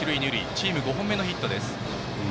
チーム５本目のヒットです。